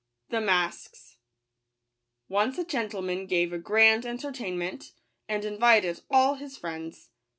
. 11 ®jje S NCE a gentleman gave a grand entertainment, and invited all his friends.